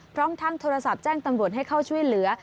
พร้อมทั้งโทรศัพท์แจ้งตำรวจให้เข้าช่วยเหลือ